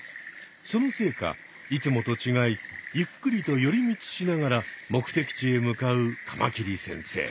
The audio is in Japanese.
そのせいかいつもとちがいゆっくりと寄り道しながら目的地へ向かうカマキリ先生。